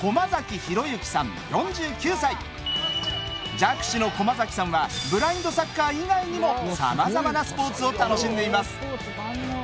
弱視の駒崎さんはブラインドサッカー以外にもさまざまなスポーツを楽しんでいます。